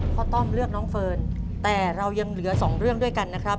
ต้อมเลือกน้องเฟิร์นแต่เรายังเหลือสองเรื่องด้วยกันนะครับ